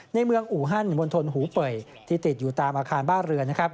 ในเมืองอูฮันมณฑลหูเป่ยที่ติดอยู่ตามอาคารบ้านเรือน